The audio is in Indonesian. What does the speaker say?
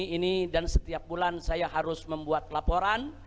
ini dan setiap bulan saya harus membuat laporan